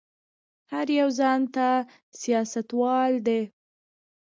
هر يو ځان ته سياستوال دی.